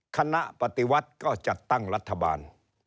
คณะปฏิวัติก็จัดตั้งรัฐบาล